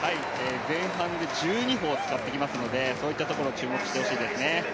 前半で１２歩を使ってきますのでそういったところを注目してほしいですね。